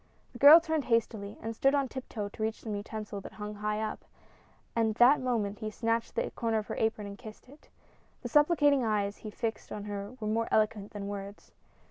The girl turned hastily and stood on tiptoe to reach some utensil that hung high up; at that moment he snatched the corner of her apron and kissed it. The supplicating eyes he fixed upon her were more eloquent than words.